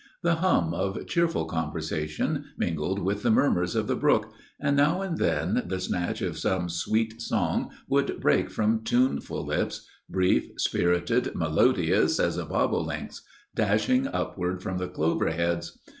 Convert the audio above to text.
The hum of cheerful conversation mingled with the murmurs of the brook; and now and then the snatch of some sweet song would break from tuneful lips, brief, spirited, melodious as a bobolink's, dashing upward from the clover heads.